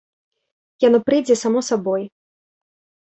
Яно прыйдзе само сабой.